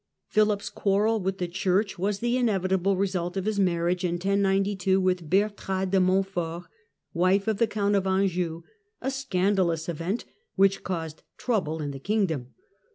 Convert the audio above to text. Philip's quarrel with the Church was the inevitable result of his marriage, in 1092, with Bertrade de Montfort, wife of the Count of Anjou, " a scandalous event," which " caused trouble in the kingdom."